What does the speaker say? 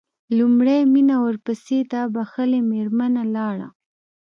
لومړی مينه ورپسې دا بښلې مېرمنه لاړه.